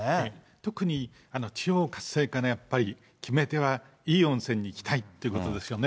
特に地方活性化の、やっぱり決め手は、いい温泉に行きたいということですよね。